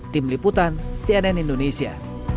tim liputan cnn indonesia